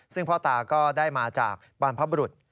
ซึ่งพ่อตาก็ได้มาจากบรรพบรุษ